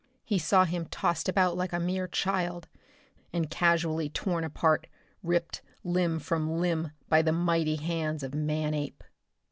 He saw him tossed about like a mere child, and casually torn apart, ripped limb from limb by the mighty hands of Manape.